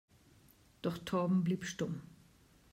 Doch Torben blieb stumm.